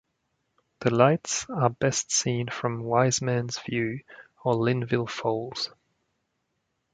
The lights are best seen from Wiseman's view or Linville Falls.